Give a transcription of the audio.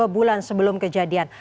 dua bulan sebelum kejadian